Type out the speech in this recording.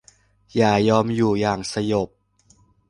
อย่ายอมอยู่อย่างสยบ